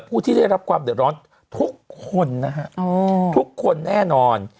ผู้ที่ได้รับความเดือดร้อนทุกคนนะฮะทุกคนแน่นอน